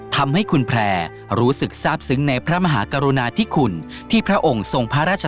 ทำให้คุณแพร่รู้สึกทราบซึ้งในพระมหากรุณาธิคุณที่พระองค์ทรงพระราช